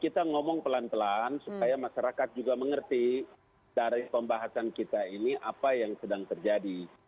kita ngomong pelan pelan supaya masyarakat juga mengerti dari pembahasan kita ini apa yang sedang terjadi